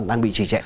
đang bị trì chạy